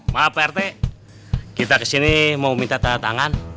maaf prt kita kesini mau minta tanda tangan